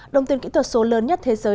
đồng tiền kỹ thuật số lớn nhất thế giới